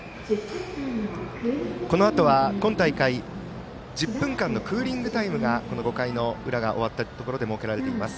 このあとは今大会１０分間のクーリングタイムが５回の裏が終わったところで設けられています。